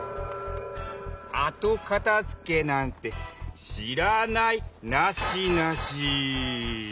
あとかたづけなんてしらないナシナシ！